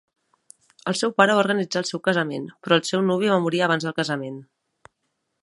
El seu pare va organitzar el seu casament, però el seu nuvi va morir abans del casament.